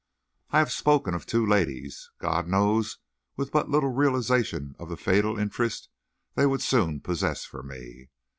I have spoken of two ladies God knows with but little realization of the fatal interest they would soon possess for me.